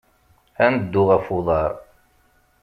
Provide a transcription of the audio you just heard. Ad neddu ɣef uḍar.